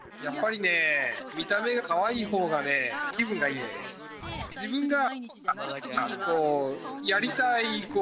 やっぱり見た目がかわいいほうが気分がいい。